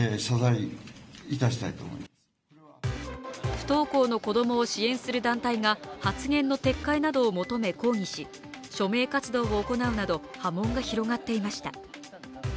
不登校の子供を支援する団体が発言の撤回などを求め抗議し署名活動を行うなど波紋が広がっていました。